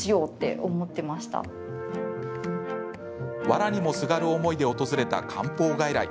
わらにもすがる思いで訪れた漢方外来。